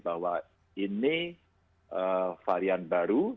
bahwa ini varian baru